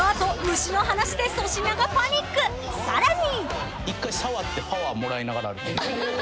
［さらに］